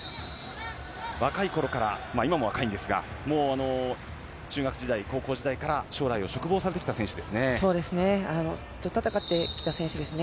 若い頃から今も若いんですが中学時代、高校時代から将来を嘱望されてきた選手ですね。